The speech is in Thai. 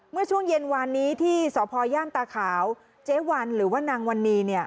เมื่อช่วงเย็นวานนี้ที่สพย่านตาขาวเจ๊วันหรือว่านางวันนี้เนี่ย